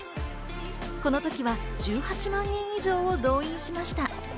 この時は１８万人以上を動員しました。